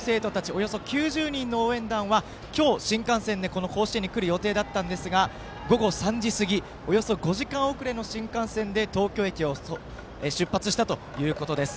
およそ９０人の応援団は今日新幹線で、この甲子園に来る予定だったんですが午後３時過ぎおよそ５時間遅れの新幹線で東京駅を出発したということです。